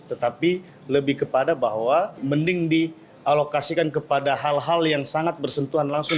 tetapi lebih kepada bahwa mending dialokasikan kepada hal hal yang sangat bersentuhan langsung